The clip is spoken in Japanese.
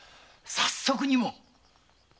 早速にも。